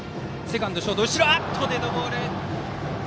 デッドボール！